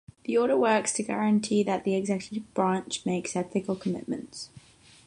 The order works to guarantee that the Executive Branch makes ethical commitments.